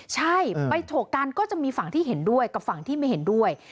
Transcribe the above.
ใช่ไปโฉกกันก็จะมีฝั่งที่เห็นด้วยกับฝั่งที่ไม่เห็นด้วย